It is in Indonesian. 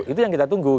itu yang kita tunggu